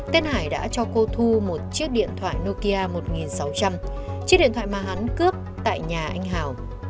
tên hải đã cho cô thu một chiếc điện thoại nokia một sáu trăm linh chiếc điện thoại mà hắn cướp tại nhà anh hào